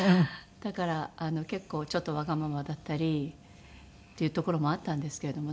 だから結構ちょっとわがままだったり。っていうところもあったんですけれどもね。